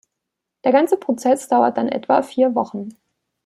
Der ganze Prozess dauert dann etwa vier Wochen.